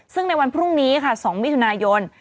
ซึ่งในวันพรุ่งนี้ค่ะ๒มิถุนายน